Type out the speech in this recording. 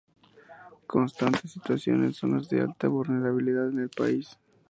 Constante situación en zonas de alta vulnerabilidad en el país.